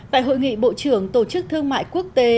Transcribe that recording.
tại hội nghị bộ trưởng tổ chức thương mại quốc tế